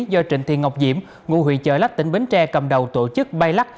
do trịnh thị ngọc diễm ngụ huyện chợ lách tỉnh bến tre cầm đầu tổ chức bay lắc